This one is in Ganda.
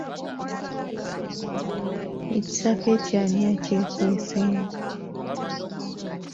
Ekisaka ekyo ani akyekweseemu?